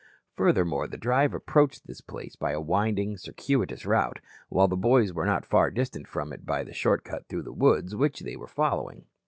Furthermore, the drive approached this place by a winding, circuitous route, while the boys were not far distant from it by the shortcut through the woods which they were following.